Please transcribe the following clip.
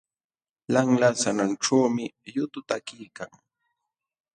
Lanla sananćhuumi yutu takiykan.